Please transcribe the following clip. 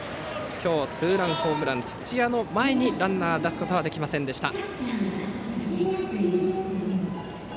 今日、ツーランホームラン土屋の前にランナーを出すことはできませんでした。